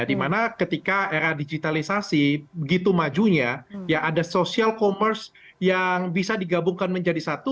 dimana ketika era digitalisasi begitu majunya ya ada social commerce yang bisa digabungkan menjadi satu